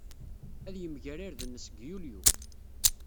Ad yemger irden-nnes deg Yulyu.